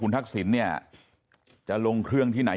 ทักษิณเนี่ยจะลงเครื่องที่ไหน